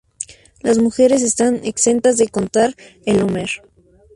Las mujeres están exentas de contar el Omer.